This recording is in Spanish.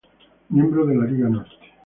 Miembro de la Liga Norte.